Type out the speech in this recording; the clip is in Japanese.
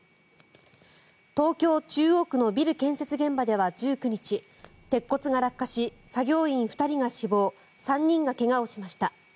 東京・中央区のビル建設現場では１９日鉄骨が落下し作業員２人が死亡３人が怪我をしました。